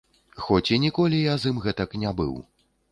Хоць і ніколі я з ім гэтак не быў.